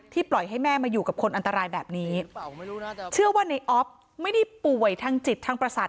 ปล่อยให้แม่มาอยู่กับคนอันตรายแบบนี้เชื่อว่าในออฟไม่ได้ป่วยทางจิตทางประสาท